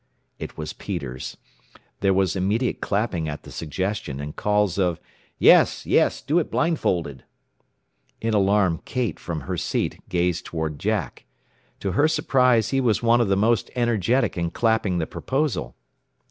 It was Peters. There was immediate clapping at the suggestion, and calls of "Yes, yes! Do it blindfolded!" In alarm Kate, from her seat, gazed toward Jack. To her surprise he was one of the most energetic in clapping the proposal.